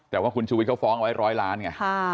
แต่ว่าคุณชูวิทยเขาฟ้องไว้๑๐๐ล้านไง